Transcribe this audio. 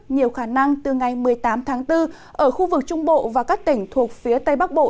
nhiều khả năng từ ngày một mươi tám tháng bốn ở khu vực trung bộ và các tỉnh thuộc phía tây bắc bộ